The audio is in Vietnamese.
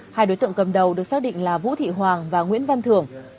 hai đối tượng cầm đầu được xác định là vũ thị hoàng và nguyễn văn thưởng